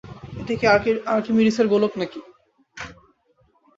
এটা কি আর্কিমিডিসের গোলক নাকি?